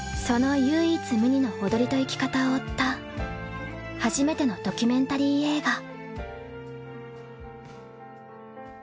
その唯一無二の踊りと生き方を追った初めてのドキュメンタリー映画。